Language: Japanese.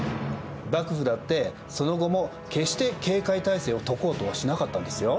幕府だってその後も決して警戒態勢を解こうとはしなかったんですよ。